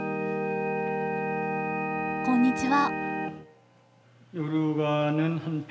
こんにちは。